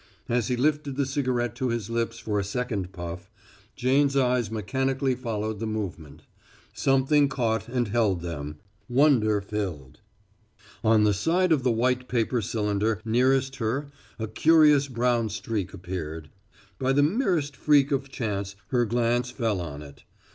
As he lifted the cigarette to his lips for a second puff, Jane's eyes mechanically followed the movement. Something caught and held them, wonder filled. On the side of the white paper cylinder nearest her a curious brown streak appeared by the merest freak of chance her glance fell on it.